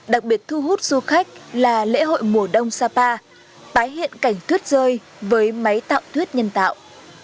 đặc biệt thu hút du khách là lễ hội mùa đông sapa tái hiện cảnh tuyết rơi với máy tạo thuyết nhân tạo